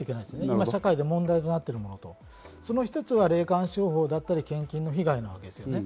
今、社会で問題となっているもの、その一つは霊感商法だったり、献金の被害ですね。